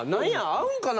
合うんかな